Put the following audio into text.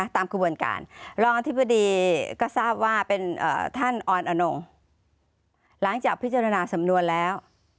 ตามกระบวนการรองอธิบดีก็ทราบว่าเป็นท่านออนอนงหลังจากพิจารณาสำนวนแล้ว